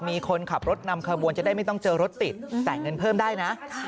มีคนขับรถนำขบวนจะได้ไม่ต้องเจอรถติดจ่ายเงินเพิ่มได้นะ